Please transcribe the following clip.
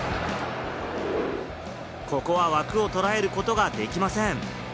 ここは枠を捉えることができません。